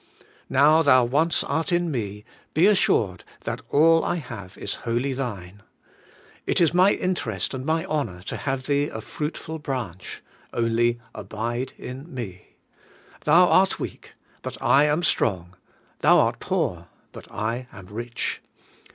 Now thou once art in me, be assured that all I have is wholly thine. It is my interest and my honour to have thee a fruitful branch; only Abide in me. Thou art weak, but I am strong; thou art poor, but I am rich.